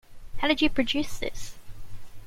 How did you produce this?